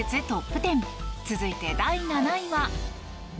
トップ１０続いて第７位は。